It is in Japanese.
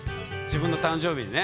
自分の誕生日にね。